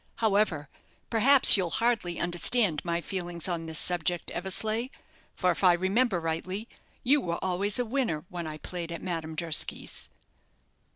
However, perhaps you'll hardly understand my feelings on this subject, Eversleigh; for if I remember rightly you were always a winner when I played at Madame Durski's."